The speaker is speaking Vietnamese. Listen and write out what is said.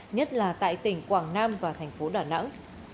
nhất là tại tỉnh quảng nam và thành phố đà nẵng